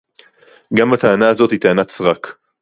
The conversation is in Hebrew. גם הטענה הזאת היא טענת סרק